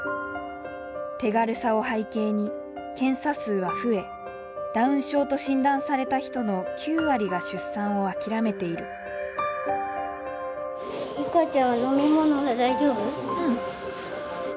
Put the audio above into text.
手軽さを背景に検査数は増えダウン症と診断された人の９割が出産を諦めているうん。